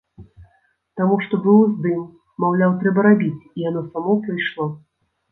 Таму што быў уздым, маўляў, трэба рабіць, і яно само прыйшло.